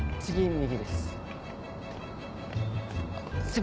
右です。